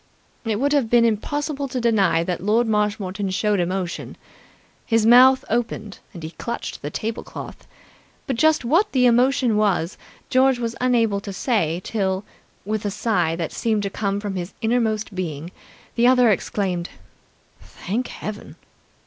It would have been impossible to deny that Lord Marshmoreton showed emotion. His mouth opened, and he clutched the tablecloth. But just what the emotion was George was unable to say till, with a sigh that seemed to come from his innermost being, the other exclaimed "Thank Heaven!"